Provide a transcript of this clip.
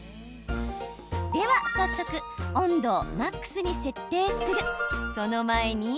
では早速温度をマックスに設定するその前に！